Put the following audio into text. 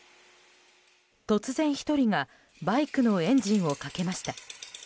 突然、１人がバイクのエンジンをかけました。